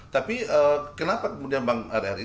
tapi kenapa kemudian bang rri